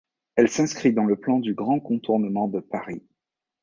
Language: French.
Elle s'inscrit dans le plan du grand contournement de Paris.